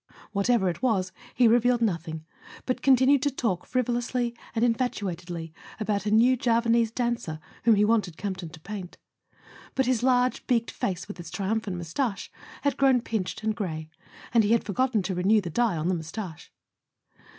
What¬ ever it was, he revealed nothing, but continued to talk frivolously and infatuatedly about a new Javanese dancer whom he wanted Campton to paint; but his large beaked face with its triumphant moustache had grown pinched and grey, and he had forgotten to re¬ new the dye on the moustache.